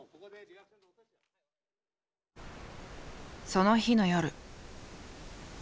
その日の夜。